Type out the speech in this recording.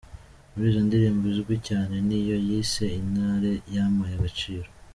Muri izo ndirimbo, izwi cyane ni iyo yise “Intare yampaye agaciro”